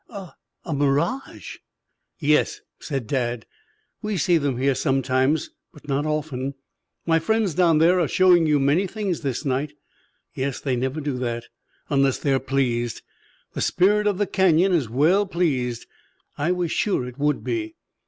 "A a mirage!" "Yes," said Dad. "We see them here some times, but not often. My friends down there are showing you many things this night. Yes they never do that unless they are pleased. The spirit of the Canyon is well pleased. I was sure it would be."